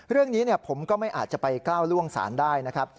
เรื่องนี้ผมก็ไม่อาจจะไปก้าวล่วงศาลได้นะครับ